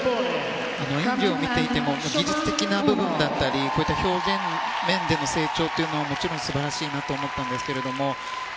演技を見ていても技術的な部分だったりこういった表現面での成長というのをもちろん素晴らしいなと思ったんですけど